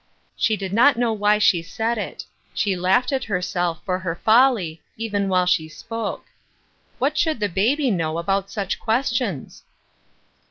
" She did not know why she said it ; she laughed at herself for her folly even while she spoke. What should the baby know about such questions